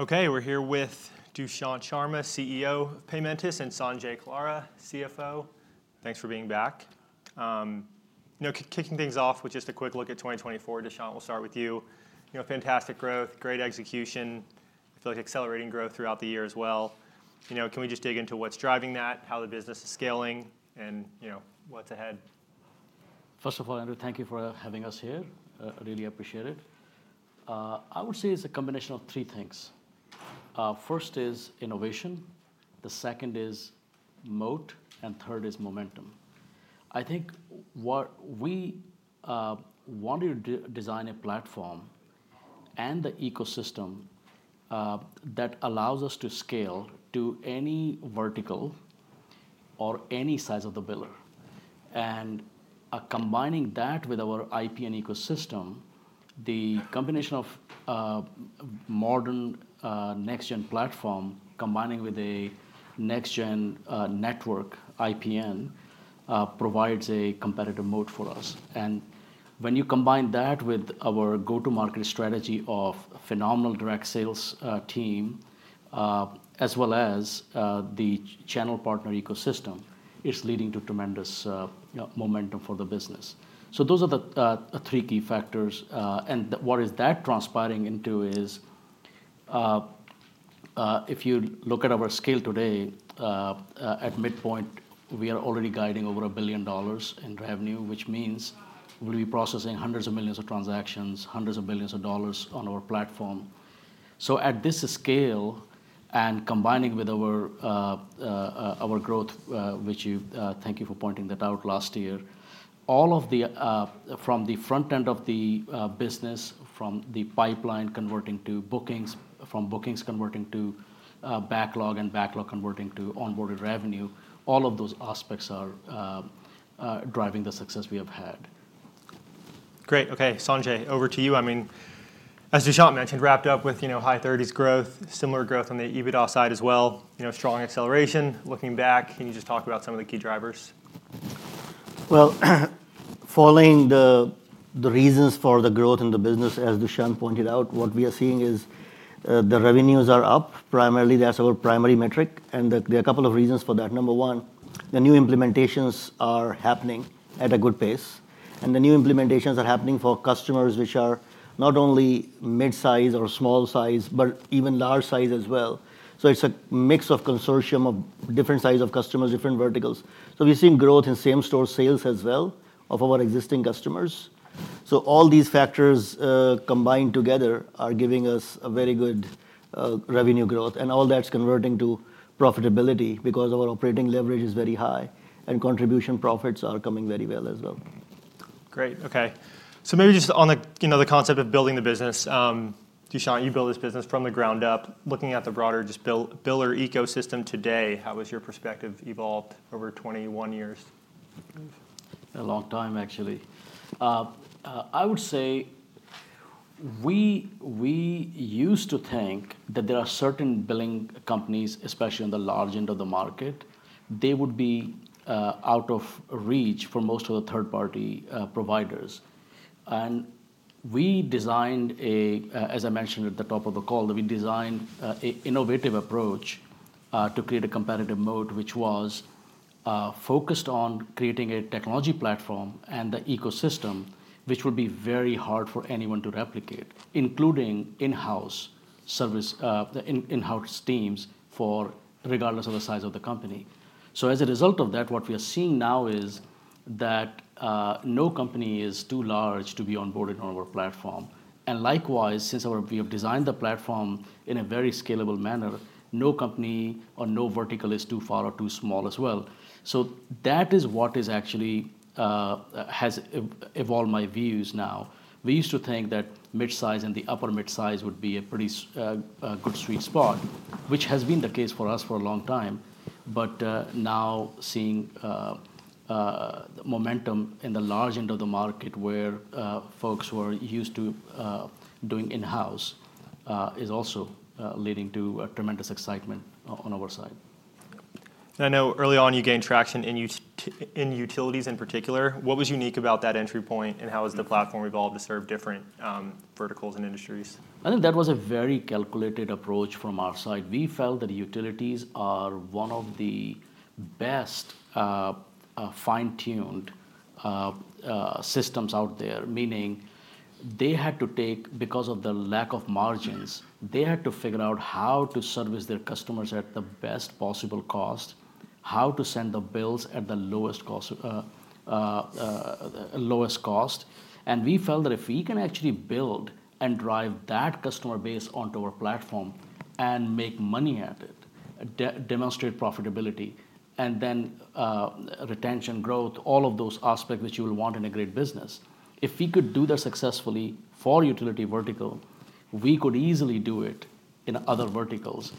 Okay, we're here with Dushyant Sharma, CEO of Paymentus, and Sanjay Kalra, CFO. Thanks for being back. Kicking things off with just a quick look at 2024, Dushyant, we'll start with you. Fantastic growth, great execution. I feel like accelerating growth throughout the year as well. Can we just dig into what's driving that, how the business is scaling, and what's ahead? First of all, Andrew, thank you for having us here. I really appreciate it. I would say it's a combination of three things. First is innovation. The second is moat. Third is momentum. I think what we wanted to design is a platform and the ecosystem that allows us to scale to any vertical or any size of the biller. Combining that with our IPN ecosystem, the combination of modern next-gen platform combining with a next-gen network, IPN, provides a competitive moat for us. When you combine that with our go-to-market strategy of a phenomenal direct sales team, as well as the channel partner ecosystem, it's leading to tremendous momentum for the business. Those are the three key factors. What that is transpiring into is, if you look at our scale today, at midpoint, we are already guiding over $1 billion in revenue, which means we'll be processing hundreds of millions of transactions, hundreds of billions of dollars on our platform. At this scale, and combining with our growth, which you thank you for pointing that out last year, all of the from the front end of the business, from the pipeline converting to bookings, from bookings converting to backlog, and backlog converting to onboarded revenue, all of those aspects are driving the success we have had. Great. Okay, Sanjay, over to you. I mean, as Dushyant mentioned, wrapped up with high 30s growth, similar growth on the EBITDA side as well, strong acceleration. Looking back, can you just talk about some of the key drivers? Following the reasons for the growth in the business, as Dushyant pointed out, what we are seeing is the revenues are up. Primarily, that's our primary metric. There are a couple of reasons for that. Number one, the new implementations are happening at a good pace. The new implementations are happening for customers which are not only mid-size or small size, but even large size as well. It's a mix of consortium of different sizes of customers, different verticals. We've seen growth in same-store sales as well of our existing customers. All these factors combined together are giving us a very good revenue growth. All that's converting to profitability because our operating leverage is very high. Contribution profits are coming very well as well. Great. Okay. Maybe just on the concept of building the business, Dushyant, you built this business from the ground up. Looking at the broader just biller ecosystem today, how has your perspective evolved over 21 years? A long time, actually. I would say we used to think that there are certain billing companies, especially on the large end of the market, they would be out of reach for most of the third-party providers. I mentioned at the top of the call, we designed an innovative approach to create a competitive moat, which was focused on creating a technology platform and the ecosystem, which would be very hard for anyone to replicate, including in-house teams, regardless of the size of the company. As a result of that, what we are seeing now is that no company is too large to be onboarded on our platform. Likewise, since we have designed the platform in a very scalable manner, no company or no vertical is too far or too small as well. That is what has evolved my views now. We used to think that mid-size and the upper mid-size would be a pretty good sweet spot, which has been the case for us for a long time. Now seeing momentum in the large end of the market, where folks were used to doing in-house, is also leading to tremendous excitement on our side. I know early on you gained traction in utilities in particular. What was unique about that entry point, and how has the platform evolved to serve different verticals and industries? I think that was a very calculated approach from our side. We felt that utilities are one of the best fine-tuned systems out there, meaning they had to take, because of the lack of margins, they had to figure out how to service their customers at the best possible cost, how to send the bills at the lowest cost. We felt that if we can actually build and drive that customer base onto our platform and make money at it, demonstrate profitability, and then retention, growth, all of those aspects which you will want in a great business, if we could do that successfully for utility vertical, we could easily do it in other verticals.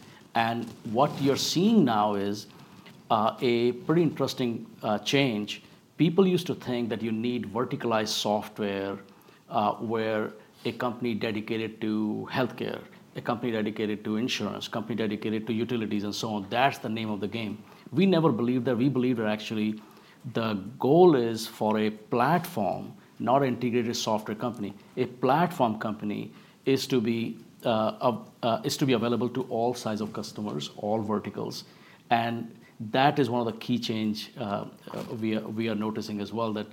What you're seeing now is a pretty interesting change. People used to think that you need verticalized software where a company dedicated to healthcare, a company dedicated to insurance, a company dedicated to utilities, and so on. That is the name of the game. We never believed that. We believed that actually the goal is for a platform, not an integrated software company. A platform company is to be available to all sizes of customers, all verticals. That is one of the key changes we are noticing as well, that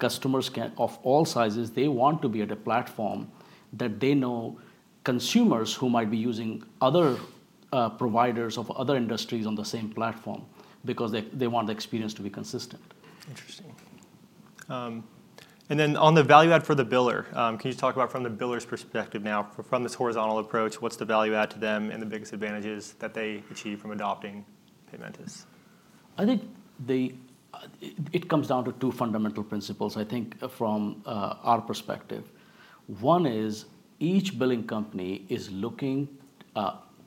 customers of all sizes, they want to be at a platform that they know consumers who might be using other providers of other industries on the same platform because they want the experience to be consistent. Interesting. On the value add for the biller, can you talk about from the biller's perspective now, from this horizontal approach, what's the value add to them and the biggest advantages that they achieve from adopting Paymentus? I think it comes down to two fundamental principles, I think, from our perspective. One is each billing company is looking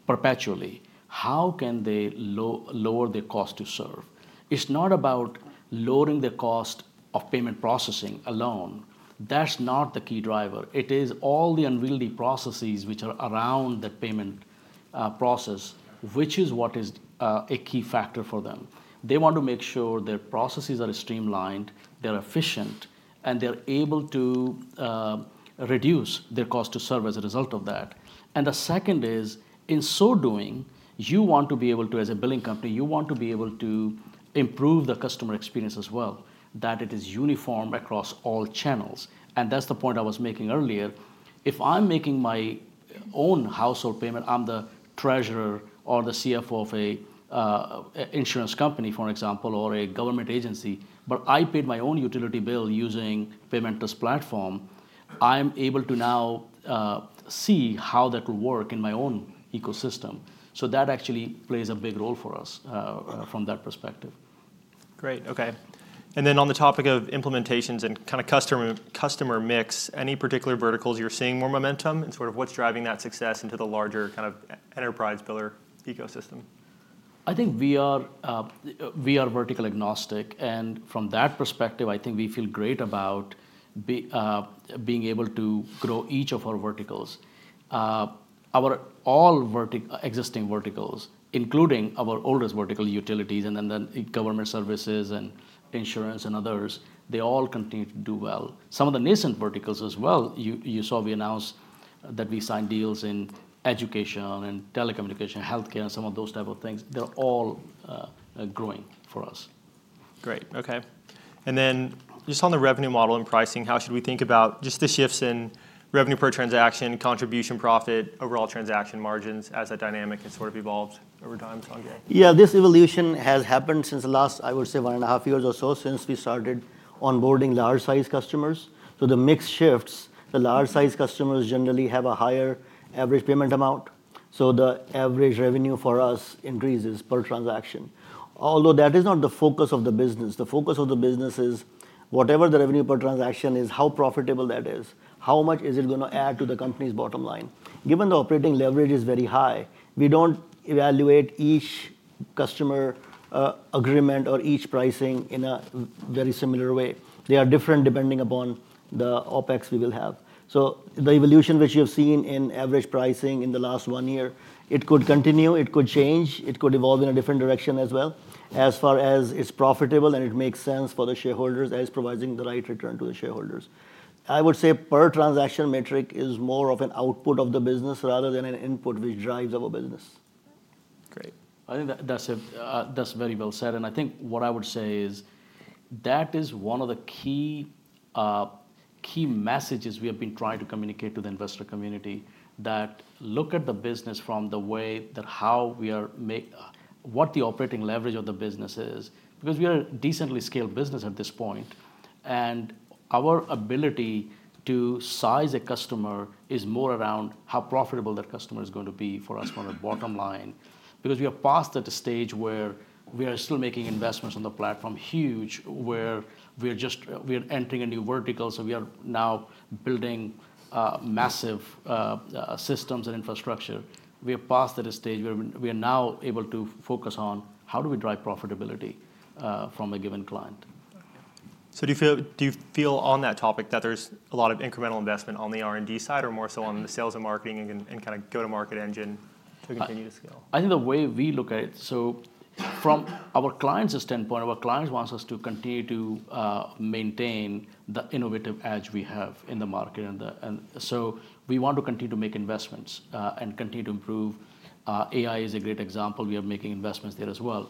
perpetually at how can they lower their cost to serve. It's not about lowering the cost of payment processing alone. That's not the key driver. It is all the unwieldy processes which are around the payment process, which is what is a key factor for them. They want to make sure their processes are streamlined, they're efficient, and they're able to reduce their cost to serve as a result of that. The second is, in so doing, you want to be able to, as a billing company, you want to be able to improve the customer experience as well, that it is uniform across all channels. That's the point I was making earlier. If I'm making my own household payment, I'm the treasurer or the CFO of an insurance company, for example, or a government agency, but I paid my own utility bill using the Paymentus platform, I'm able to now see how that will work in my own ecosystem. That actually plays a big role for us from that perspective. Great. Okay. On the topic of implementations and kind of customer mix, any particular verticals you're seeing more momentum? Sort of what's driving that success into the larger kind of enterprise biller ecosystem? I think we are vertical agnostic. From that perspective, I think we feel great about being able to grow each of our verticals. All our existing verticals, including our oldest vertical, utilities, and then government services and insurance and others, they all continue to do well. Some of the nascent verticals as well, you saw we announced that we signed deals in education and telecommunication, healthcare, and some of those types of things. They are all growing for us. Great. Okay. Just on the revenue model and pricing, how should we think about just the shifts in revenue per transaction, contribution profit, overall transaction margins as that dynamic has sort of evolved over time, Sanjay? Yeah, this evolution has happened since the last, I would say, one and a half years or so since we started onboarding large-sized customers. The mix shifts. The large-sized customers generally have a higher average payment amount. The average revenue for us increases per transaction. Although that is not the focus of the business. The focus of the business is whatever the revenue per transaction is, how profitable that is, how much is it going to add to the company's bottom line. Given the operating leverage is very high, we do not evaluate each customer agreement or each pricing in a very similar way. They are different depending upon the OPEX we will have. The evolution which you have seen in average pricing in the last one year, it could continue, it could change, it could evolve in a different direction as well as far as it's profitable and it makes sense for the shareholders as providing the right return to the shareholders. I would say per transaction metric is more of an output of the business rather than an input which drives our business. Great. I think that's very well said. I think what I would say is that is one of the key messages we have been trying to communicate to the investor community, that look at the business from the way that how we are making what the operating leverage of the business is, because we are a decently scaled business at this point. Our ability to size a customer is more around how profitable that customer is going to be for us from the bottom line. We are past that stage where we are still making investments on the platform huge, where we are just we are entering a new vertical. We are now building massive systems and infrastructure. We are past that stage where we are now able to focus on how do we drive profitability from a given client. Do you feel on that topic that there's a lot of incremental investment on the R&D side or more so on the sales and marketing and kind of go-to-market engine to continue to scale? I think the way we look at it, from our clients' standpoint, our clients want us to continue to maintain the innovative edge we have in the market. We want to continue to make investments and continue to improve. AI is a great example. We are making investments there as well.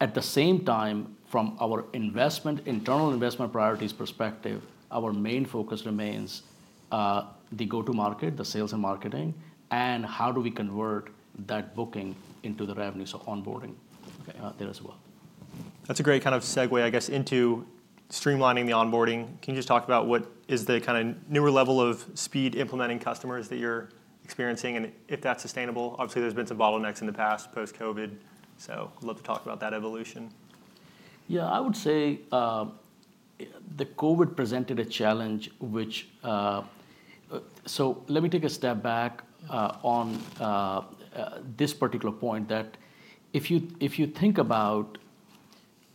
At the same time, from our internal investment priorities perspective, our main focus remains the go-to-market, the sales and marketing, and how do we convert that booking into the revenues of onboarding there as well. That's a great kind of segue, I guess, into streamlining the onboarding. Can you just talk about what is the kind of newer level of speed implementing customers that you're experiencing and if that's sustainable? Obviously, there's been some bottlenecks in the past post-COVID. I’d love to talk about that evolution. Yeah, I would say the COVID presented a challenge, which, let me take a step back on this particular point, that if you think about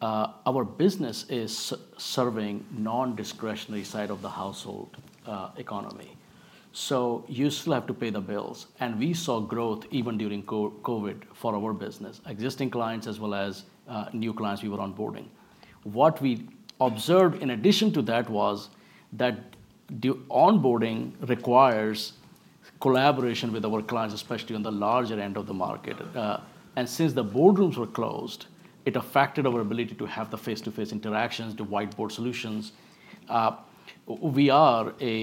our business, it is serving the non-discretionary side of the household economy. You still have to pay the bills. We saw growth even during COVID for our business, existing clients as well as new clients we were onboarding. What we observed in addition to that was that onboarding requires collaboration with our clients, especially on the larger end of the market. Since the boardrooms were closed, it affected our ability to have the face-to-face interactions, the whiteboard solutions. We are a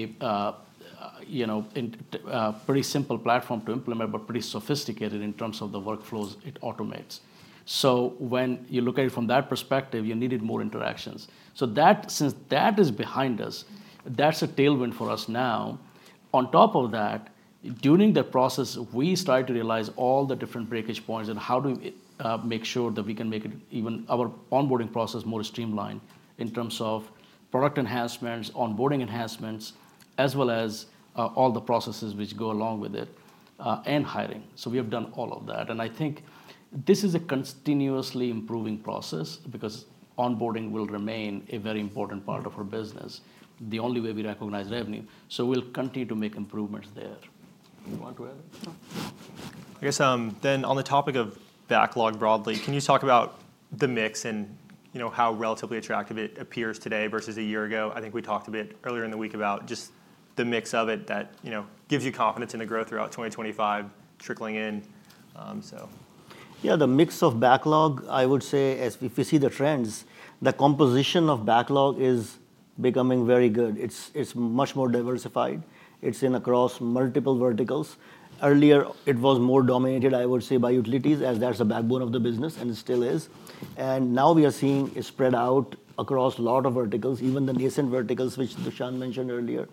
pretty simple platform to implement, but pretty sophisticated in terms of the workflows it automates. When you look at it from that perspective, you needed more interactions. Since that is behind us, that's a tailwind for us now. On top of that, during the process, we started to realize all the different breakage points and how do we make sure that we can make even our onboarding process more streamlined in terms of product enhancements, onboarding enhancements, as well as all the processes which go along with it, and hiring. We have done all of that. I think this is a continuously improving process because onboarding will remain a very important part of our business, the only way we recognize revenue. We will continue to make improvements there. I guess then on the topic of backlog broadly, can you talk about the mix and how relatively attractive it appears today versus a year ago? I think we talked a bit earlier in the week about just the mix of it that gives you confidence in the growth throughout 2025 trickling in, so. Yeah, the mix of backlog, I would say, if you see the trends, the composition of backlog is becoming very good. It's much more diversified. It's across multiple verticals. Earlier, it was more dominated, I would say, by utilities, as that's the backbone of the business, and it still is. Now we are seeing it spread out across a lot of verticals, even the nascent verticals, which Dushyant mentioned earlier.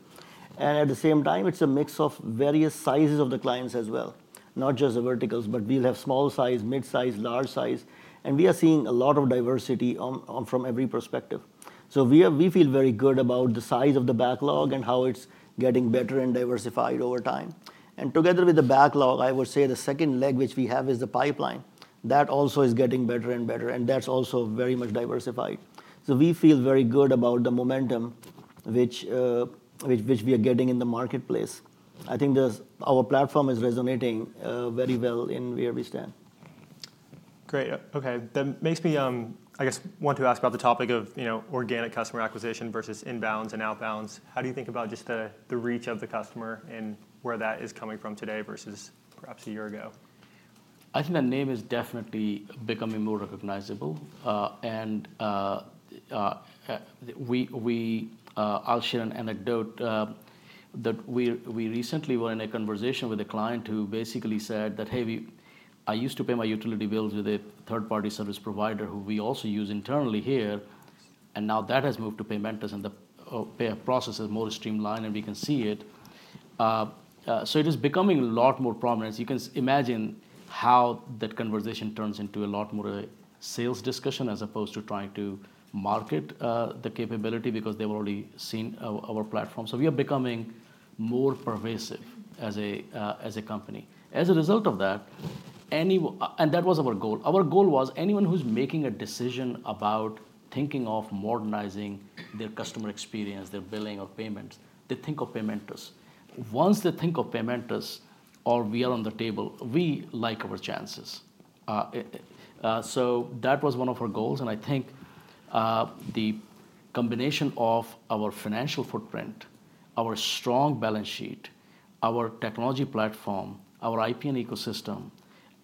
At the same time, it's a mix of various sizes of the clients as well, not just the verticals, but we'll have small size, mid-size, large size. We are seeing a lot of diversity from every perspective. We feel very good about the size of the backlog and how it's getting better and diversified over time. Together with the backlog, I would say the second leg which we have is the pipeline. That also is getting better and better, and that's also very much diversified. We feel very good about the momentum which we are getting in the marketplace. I think our platform is resonating very well in where we stand. Great. Okay. That makes me, I guess, want to ask about the topic of organic customer acquisition versus inbounds and outbounds. How do you think about just the reach of the customer and where that is coming from today versus perhaps a year ago? I think that name is definitely becoming more recognizable. I'll share an anecdote that we recently were in a conversation with a client who basically said that, "Hey, I used to pay my utility bills with a third-party service provider who we also use internally here. Now that has moved to Paymentus, and the process is more streamlined, and we can see it." It is becoming a lot more prominent. You can imagine how that conversation turns into a lot more sales discussion as opposed to trying to market the capability because they've already seen our platform. We are becoming more pervasive as a company. As a result of that, and that was our goal. Our goal was anyone who's making a decision about thinking of modernizing their customer experience, their billing or payments, they think of Paymentus. Once they think of Paymentus or we are on the table, we like our chances. That was one of our goals. I think the combination of our financial footprint, our strong balance sheet, our technology platform, our IPN ecosystem,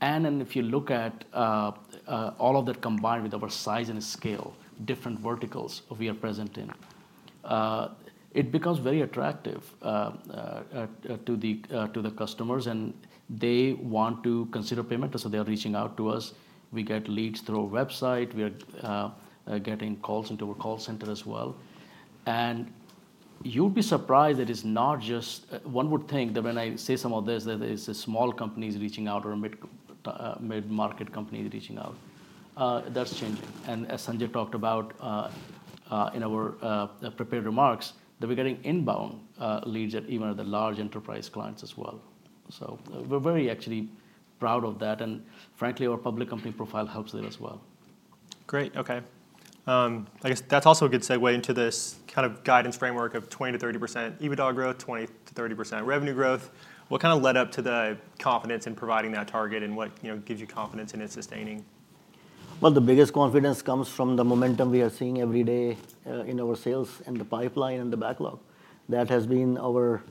and if you look at all of that combined with our size and scale, different verticals we are present in, it becomes very attractive to the customers. They want to consider Paymentus, so they are reaching out to us. We get leads through our website. We are getting calls into our call center as well. You'd be surprised that it's not just one would think that when I say some of this, that it's small companies reaching out or mid-market companies reaching out. That's changing. As Sanjay talked about in our prepared remarks, that we're getting inbound leads that even are the large enterprise clients as well. We're very actually proud of that. Frankly, our public company profile helps there as well. Great. Okay. I guess that's also a good segue into this kind of guidance framework of 20%-30% EBITDA growth, 20%-30% revenue growth. What kind of led up to the confidence in providing that target and what gives you confidence in it sustaining? The biggest confidence comes from the momentum we are seeing every day in our sales and the pipeline and the backlog. That has been our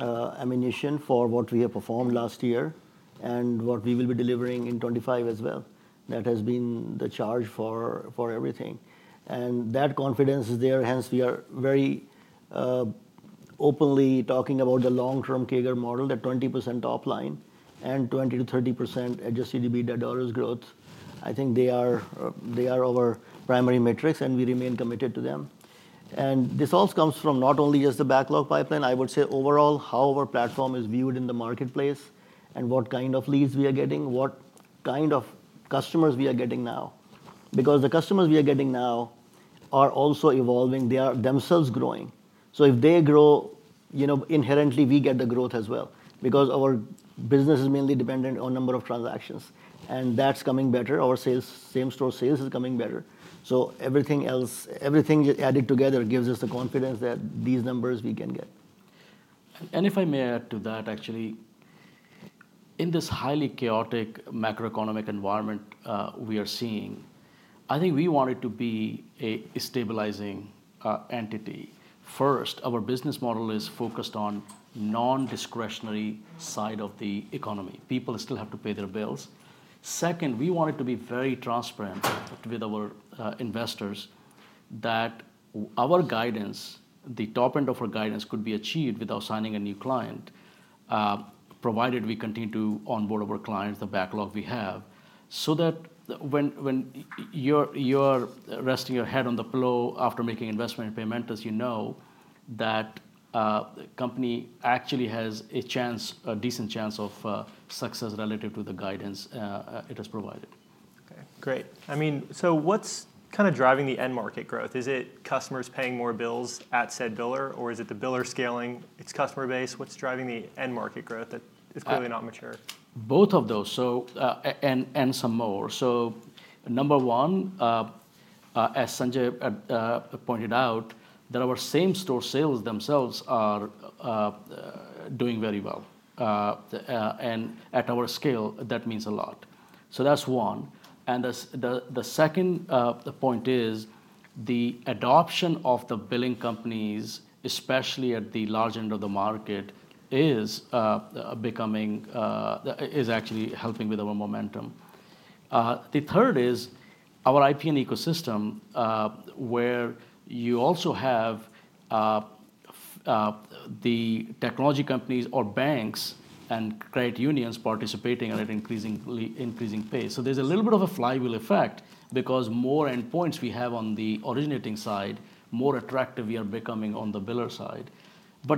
ammunition for what we have performed last year and what we will be delivering in 2025 as well. That has been the charge for everything. That confidence is there. Hence, we are very openly talking about the long-term CAGR model, that 20% top line and 20%-30% adjusted EBITDA growth. I think they are our primary metrics, and we remain committed to them. This also comes from not only just the backlog pipeline. I would say overall, how our platform is viewed in the marketplace and what kind of leads we are getting, what kind of customers we are getting now. Because the customers we are getting now are also evolving. They are themselves growing. If they grow, inherently, we get the growth as well. Because our business is mainly dependent on a number of transactions, and that's coming better. Our same-store sales is coming better. Everything added together gives us the confidence that these numbers we can get. If I may add to that, actually, in this highly chaotic macroeconomic environment we are seeing, I think we wanted to be a stabilizing entity. First, our business model is focused on the non-discretionary side of the economy. People still have to pay their bills. Second, we wanted to be very transparent with our investors that our guidance, the top end of our guidance, could be achieved without signing a new client, provided we continue to onboard our clients, the backlog we have, so that when you're resting your head on the pillow after making investment in Paymentus, you know that the company actually has a chance, a decent chance of success relative to the guidance it has provided. Okay. Great. I mean, so what's kind of driving the end market growth? Is it customers paying more bills at said biller, or is it the biller scaling its customer base? What's driving the end market growth that is clearly not mature? Both of those, and some more. Number one, as Sanjay pointed out, our same-store sales themselves are doing very well. At our scale, that means a lot. That is one. The second point is the adoption of the billing companies, especially at the large end of the market, is actually helping with our momentum. The third is our IPN ecosystem, where you also have the technology companies or banks and credit unions participating at an increasing pace. There is a little bit of a flywheel effect because the more endpoints we have on the originating side, the more attractive we are becoming on the biller side.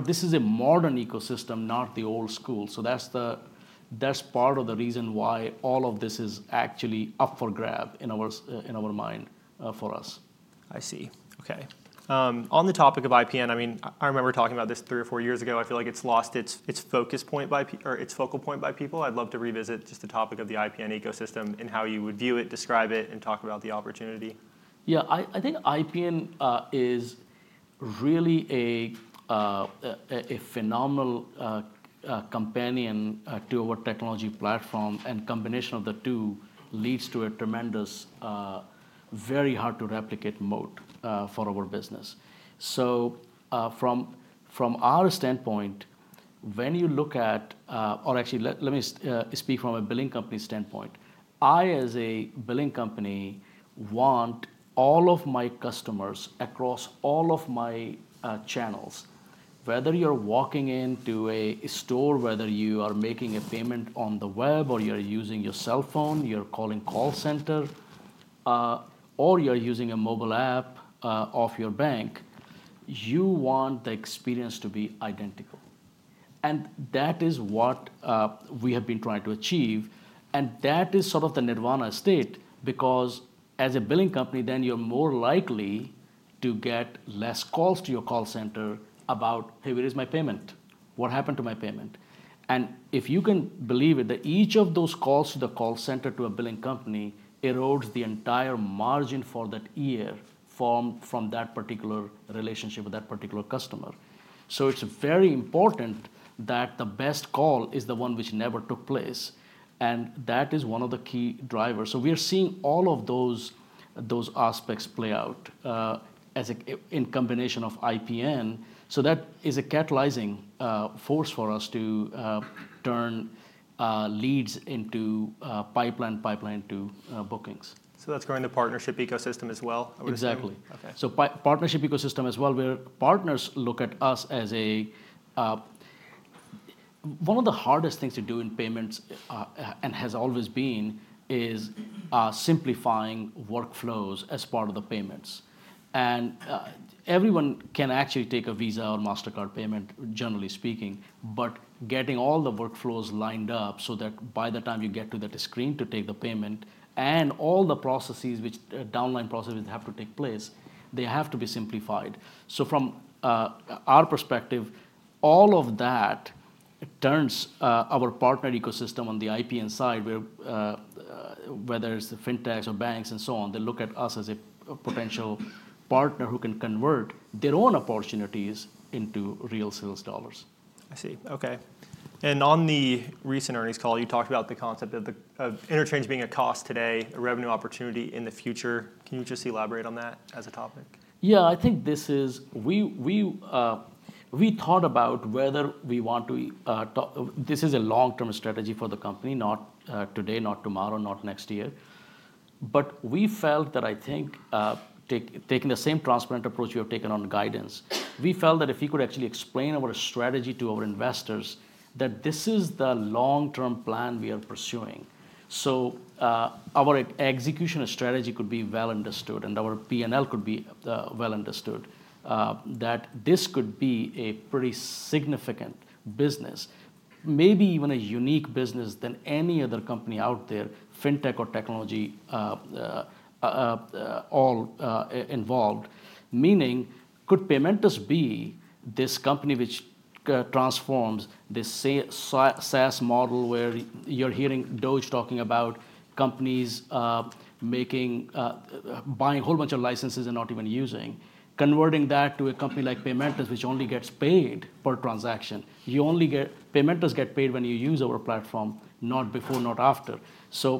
This is a modern ecosystem, not the old school. That is part of the reason why all of this is actually up for grab in our mind for us. I see. Okay. On the topic of IPN, I mean, I remember talking about this three or four years ago. I feel like it's lost its focus point by its focal point by people. I'd love to revisit just the topic of the IPN ecosystem and how you would view it, describe it, and talk about the opportunity. Yeah, I think IPN is really a phenomenal companion to our technology platform. The combination of the two leads to a tremendous, very hard-to-replicate moat for our business. From our standpoint, when you look at, or actually, let me speak from a billing company standpoint, I as a billing company want all of my customers across all of my channels. Whether you're walking into a store, whether you are making a payment on the web, or you're using your cell phone, you're calling call center, or you're using a mobile app of your bank, you want the experience to be identical. That is what we have been trying to achieve. That is sort of the Nirvana state because as a billing company, then you're more likely to get less calls to your call center about, "Hey, where is my payment? What happened to my payment?" If you can believe it, each of those calls to the call center to a billing company erodes the entire margin for that year formed from that particular relationship with that particular customer. It is very important that the best call is the one which never took place. That is one of the key drivers. We are seeing all of those aspects play out in combination with IPN. That is a catalyzing force for us to turn leads into pipeline, pipeline to bookings. That's going to partnership ecosystem as well? Exactly. Partnership ecosystem as well, where partners look at us as one of the hardest things to do in payments and has always been is simplifying workflows as part of the payments. Everyone can actually take a Visa or Mastercard payment, generally speaking, but getting all the workflows lined up so that by the time you get to that screen to take the payment and all the processes, which downline processes have to take place, they have to be simplified. From our perspective, all of that turns our partner ecosystem on the IPN side, whether it's the fintechs or banks and so on, they look at us as a potential partner who can convert their own opportunities into real sales dollars. I see. Okay. On the recent earnings call, you talked about the concept of interchange being a cost today, a revenue opportunity in the future. Can you just elaborate on that as a topic? Yeah, I think this is we thought about whether we want to this is a long-term strategy for the company, not today, not tomorrow, not next year. We felt that I think taking the same transparent approach we have taken on guidance, we felt that if we could actually explain our strategy to our investors, that this is the long-term plan we are pursuing. Our execution strategy could be well understood, and our P&L could be well understood, that this could be a pretty significant business, maybe even a unique business than any other company out there, fintech or technology all involved. Meaning, could Paymentus be this company which transforms this SaaS model where you're hearing DOGE talking about companies buying a whole bunch of licenses and not even using, converting that to a company like Paymentus, which only gets paid per transaction. Paymentus gets paid when you use our platform, not before, not after.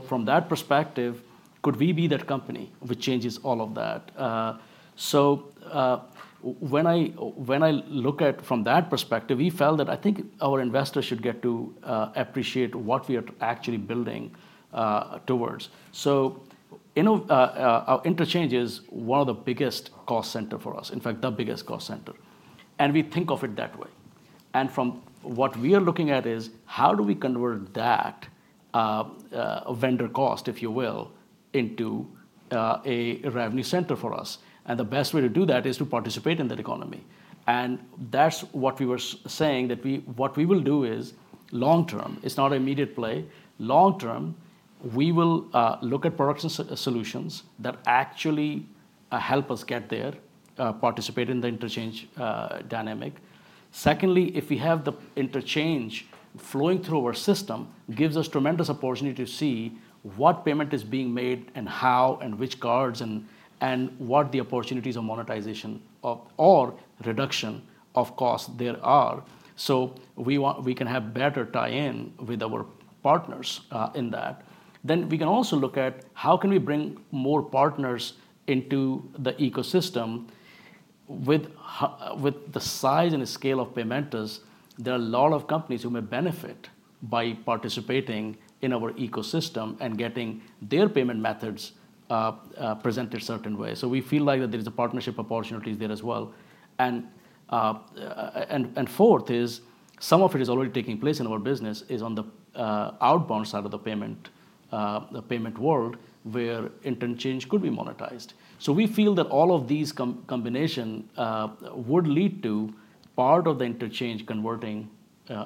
From that perspective, could we be that company which changes all of that? When I look at it from that perspective, we felt that our investors should get to appreciate what we are actually building towards. Interchange is one of the biggest cost centers for us, in fact, the biggest cost center. We think of it that way. What we are looking at is how do we convert that vendor cost, if you will, into a revenue center for us. The best way to do that is to participate in that economy. That is what we were saying, that what we will do is long-term. It is not an immediate play. Long-term, we will look at production solutions that actually help us get there, participate in the interchange dynamic. Secondly, if we have the interchange flowing through our system, it gives us tremendous opportunity to see what payment is being made and how and which cards and what the opportunities of monetization or reduction of costs there are. We can have better tie-in with our partners in that. We can also look at how can we bring more partners into the ecosystem with the size and scale of Paymentus. There are a lot of companies who may benefit by participating in our ecosystem and getting their payment methods presented a certain way. We feel like that there is a partnership opportunity there as well. Fourth is some of it is already taking place in our business is on the outbound side of the payment world where interchange could be monetized. We feel that all of these combinations would lead to part of the interchange converting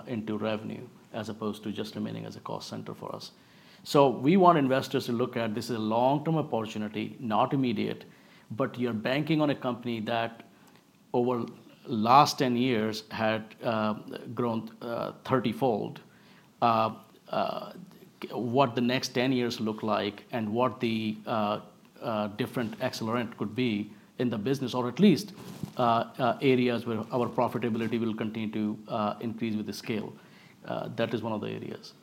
into revenue as opposed to just remaining as a cost center for us. We want investors to look at this as a long-term opportunity, not immediate, but you're banking on a company that over the last 10 years had grown 30-fold, what the next 10 years look like, and what the different accelerant could be in the business, or at least areas where our profitability will continue to increase with the scale. That is one of the areas.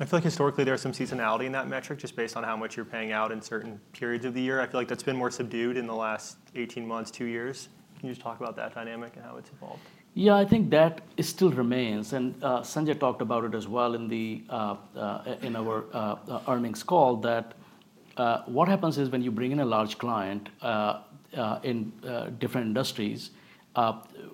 I feel like historically there's some seasonality in that metric just based on how much you're paying out in certain periods of the year. I feel like that's been more subdued in the last 18 months, two years. Can you just talk about that dynamic and how it's evolved? Yeah, I think that still remains. Sanjay talked about it as well in our earnings call that what happens is when you bring in a large client in different industries,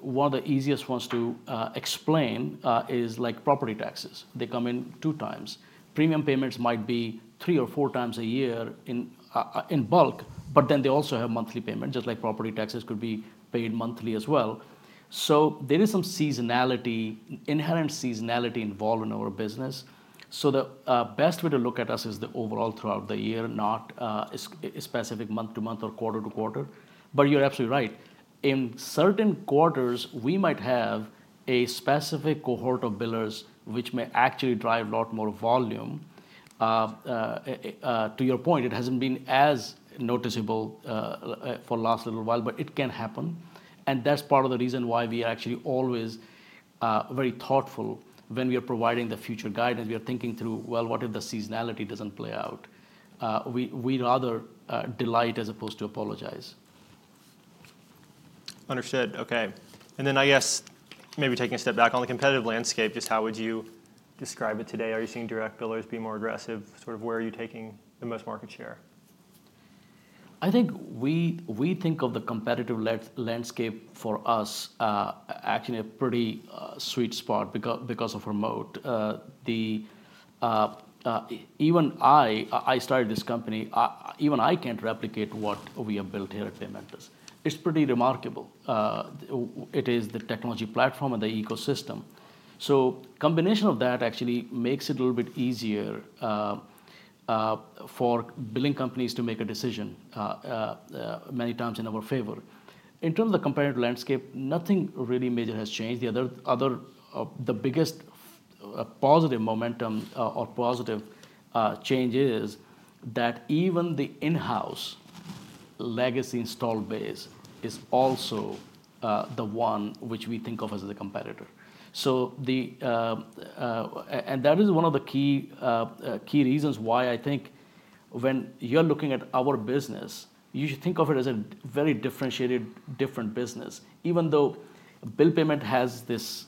one of the easiest ones to explain is like property taxes. They come in two times. Premium payments might be three or four times a year in bulk, but then they also have monthly payments, just like property taxes could be paid monthly as well. There is some seasonality, inherent seasonality involved in our business. The best way to look at us is the overall throughout the year, not a specific month to month or quarter to quarter. You're absolutely right. In certain quarters, we might have a specific cohort of billers which may actually drive a lot more volume. To your point, it hasn't been as noticeable for the last little while, but it can happen. That is part of the reason why we are actually always very thoughtful when we are providing the future guidance. We are thinking through, well, what if the seasonality doesn't play out? We'd rather delight as opposed to apologize. Understood. Okay. I guess maybe taking a step back on the competitive landscape, just how would you describe it today? Are you seeing direct billers be more aggressive? Sort of where are you taking the most market share? I think we think of the competitive landscape for us actually in a pretty sweet spot because of our moat. Even I started this company. Even I can't replicate what we have built here at Paymentus. It's pretty remarkable. It is the technology platform and the ecosystem. Combination of that actually makes it a little bit easier for billing companies to make a decision many times in our favor. In terms of the competitive landscape, nothing really major has changed. The biggest positive momentum or positive change is that even the in-house legacy install base is also the one which we think of as the competitor. That is one of the key reasons why I think when you're looking at our business, you should think of it as a very differentiated, different business. Even though bill payment has this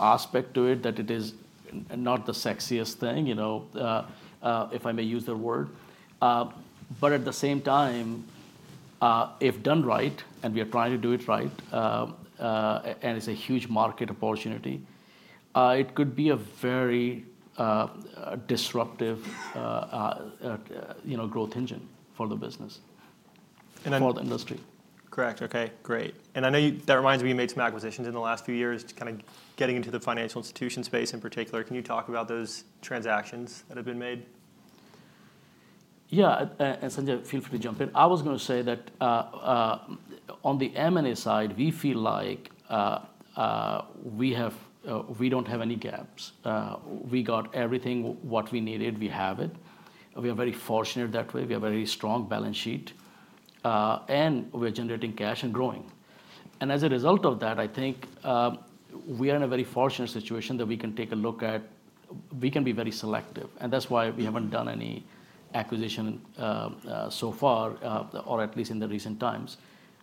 aspect to it that it is not the sexiest thing, if I may use the word. At the same time, if done right, and we are trying to do it right, and it's a huge market opportunity, it could be a very disruptive growth engine for the business, for the industry. Correct. Okay. Great. I know that reminds me you made some acquisitions in the last few years kind of getting into the financial institution space in particular. Can you talk about those transactions that have been made? Yeah. Sanjay, feel free to jump in. I was going to say that on the M&A side, we feel like we do not have any gaps. We got everything we needed. We have it. We are very fortunate that way. We have a very strong balance sheet. We are generating cash and growing. As a result of that, I think we are in a very fortunate situation that we can take a look at. We can be very selective. That is why we have not done any acquisition so far, or at least in the recent times.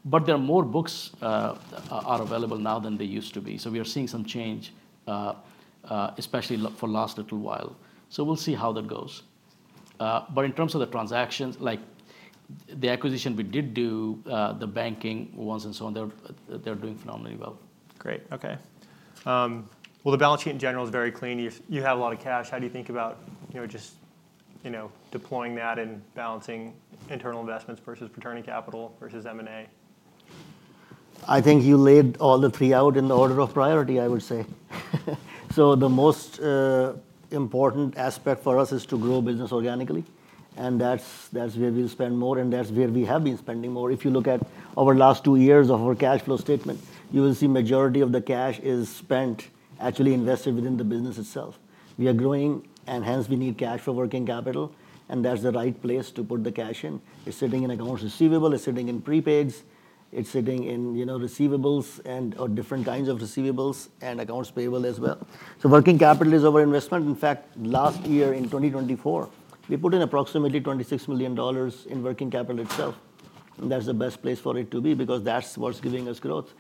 There are more books available now than there used to be. We are seeing some change, especially for the last little while. We will see how that goes. In terms of the transactions, like the acquisition we did do, the banking ones and so on, they are doing phenomenally well. Great. Okay. The balance sheet in general is very clean. You have a lot of cash. How do you think about just deploying that and balancing internal investments versus returning capital versus M&A? I think you laid all the three out in the order of priority, I would say. The most important aspect for us is to grow business organically. That is where we will spend more, and that is where we have been spending more. If you look at our last two years of our cash flow statement, you will see the majority of the cash is spent actually invested within the business itself. We are growing, and hence we need cash for working capital. That is the right place to put the cash in. It is sitting in accounts receivable. It is sitting in prepaids. It is sitting in receivables and different kinds of receivables and accounts payable as well. Working capital is our investment. In fact, last year in 2024, we put in approximately $26 million in working capital itself. That is the best place for it to be because that is what is giving us growth.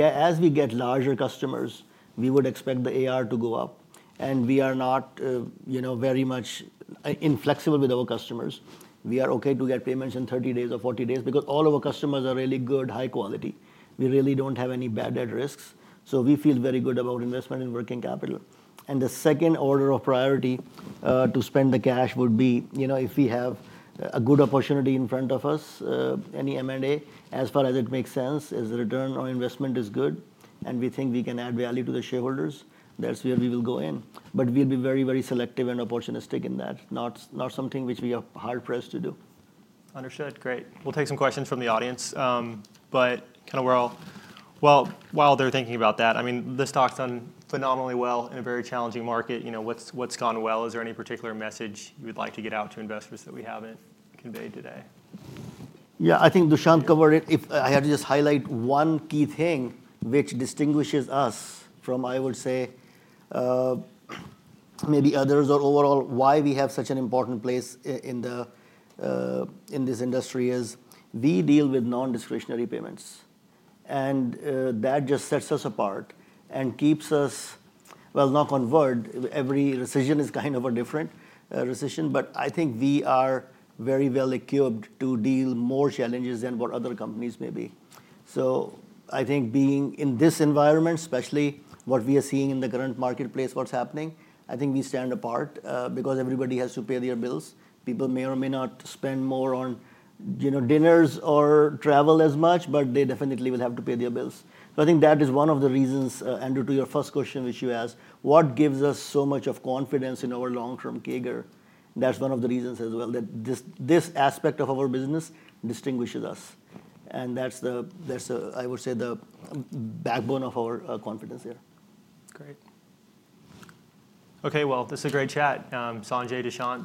As we get larger customers, we would expect the AR to go up. We are not very much inflexible with our customers. We are okay to get payments in 30 days or 40 days because all of our customers are really good, high quality. We really do not have any bad debt risks. We feel very good about investment in working capital. The second order of priority to spend the cash would be if we have a good opportunity in front of us, any M&A, as far as it makes sense, as the return on investment is good, and we think we can add value to the shareholders, that is where we will go in. We will be very, very selective and opportunistic in that, not something which we are hard-pressed to do. Understood. Great. We'll take some questions from the audience. While they're thinking about that, I mean, this stock's done phenomenally well in a very challenging market. What's gone well? Is there any particular message you would like to get out to investors that we haven't conveyed today? Yeah, I think Dushyant covered it. I had to just highlight one key thing which distinguishes us from, I would say, maybe others or overall why we have such an important place in this industry is we deal with non-discretionary payments. That just sets us apart and keeps us, not convert. Every decision is kind of a different decision. I think we are very well-equipped to deal with more challenges than what other companies may be. I think being in this environment, especially what we are seeing in the current marketplace, what's happening, I think we stand apart because everybody has to pay their bills. People may or may not spend more on dinners or travel as much, but they definitely will have to pay their bills. I think that is one of the reasons, Andrew, to your first question which you asked, what gives us so much confidence in our long-term CAGR? That is one of the reasons as well that this aspect of our business distinguishes us. I would say that is the backbone of our confidence here. Great. Okay. This is a great chat. Sanjay, Dushyant.